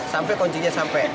sampai kuncinya sampai